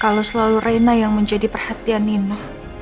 kalau selalu reina yang menjadi perhatian nina